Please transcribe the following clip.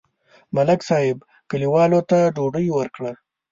ملک صاحب کلیوالو ته ډوډۍ وکړه.